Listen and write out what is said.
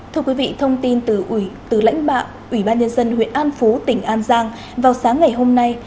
thưa quý vị thông tin từ lãnh đạo ủy ban nhân dân huyện an phú tỉnh an giang vào sáng ngày hôm nay